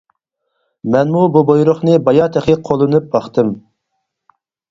مەنمۇ بۇ بۇيرۇقنى بايا تېخى قوللىنىپ باقتىم.